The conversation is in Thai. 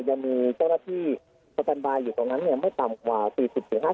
ก็ทีเดียวยังมีเจ้าหน้าที่สตานบายอยู่ตรงนั้นไม่ต่ำกว่า๔๐๕๐ไนล์